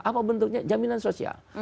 apa bentuknya jaminan sosial